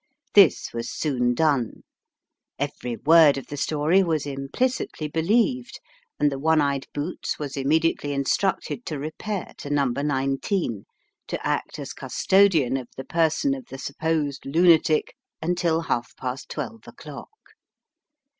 This was soon done. Every word of the story was implicitly believed, and the one eyed boots was immediately instructed to repair to number nineteen, to act as custodian of the person of the supposed lunatic until half past twelve o'clock.